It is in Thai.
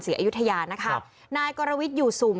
ศรีอยุธยาชุมนายกรวรมิตยูสูม